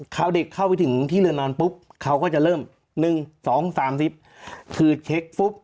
คราวเด็กเข้าไปถึงที่เรือนนอนปุ๊บเขาก็จะเริ่ม๑๒๓๐คือเช็คปุ๊บ